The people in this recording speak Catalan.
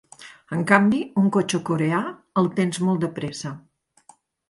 En canvi, un cotxe coreà, el tens molt de pressa.